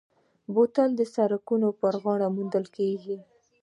بوتل د سړکونو پر غاړه موندل کېږي.